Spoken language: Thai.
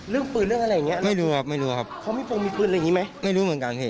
เรื่องปืนเรื่องอะไรอย่างเงี้ไม่รู้ครับไม่รู้ครับเขามีโปรงมีปืนอะไรอย่างงี้ไหมไม่รู้เหมือนกันพี่